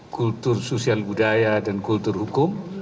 kultur sosial budaya dan kultur hukum